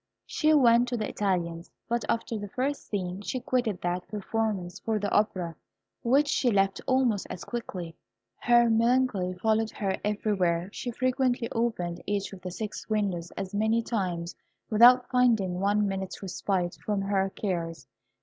She went to the Italians, but after the first scene she quitted that performance for the Opera, which she left almost as quickly. Her melancholy followed her everywhere. She frequently opened each of the six windows as many times without finding one minute's respite from her cares.